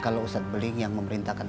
kalau ustadz beling yang memerintahkan